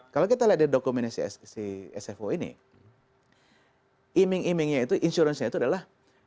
kalau kita lihat dari dokumen si sfo ini iming imingnya itu insuransinya itu adalah